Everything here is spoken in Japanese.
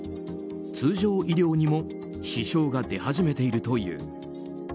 通常医療にも支障が出始めているという。